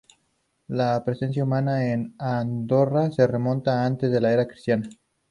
La presencia humana en Andorra se remonta a antes de la era cristiana.